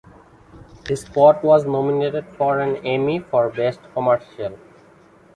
The spot was nominated for an Emmy for best commercial.